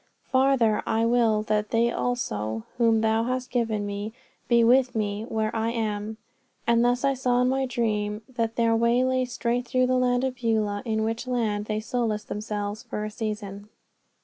Father, I will that they also, whom Thou hast given Me, be with Me where I am." And thus I saw in my dream that their way lay right through the land of Beulah, in which land they solaced themselves for a season.